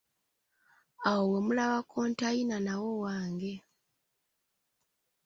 Awo we mulaba kkonteyina nawo wange.